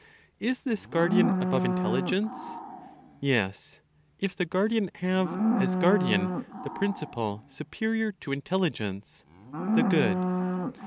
Is this guardian above Intelligence? Yes, if the guardian have, as guardian, the principle superior to Intelligence (the Good).